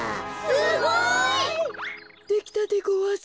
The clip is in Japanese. すごい。できたでごわす。